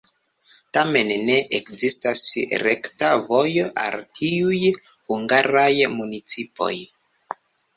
Tamen ne ekzistas rekta vojo al tiuj hungaraj municipoj.